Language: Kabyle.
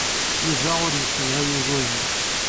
Yuba ur yessedhay igerdan.